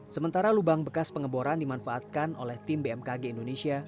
sementara lubang bekas pengeboran dimanfaatkan oleh tim bmkg indonesia